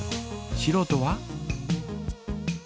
しろうとは？